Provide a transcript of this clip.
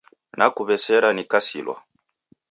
Nakuw'esera nikasilwa.